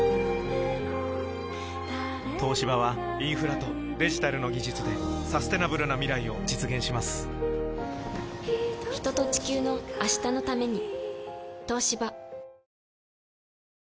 東芝はインフラとデジタルの技術でサステナブルな未来を実現します人と、地球の、明日のために。